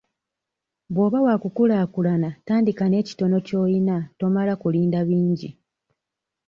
Bw'oba wakukulaakulana tandika n'ekitono ky'oyina tomala kulinda bingi.